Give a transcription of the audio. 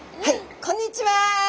こんにちは。